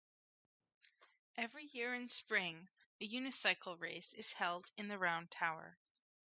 Every year in spring, a unicycle race is held in the Round Tower.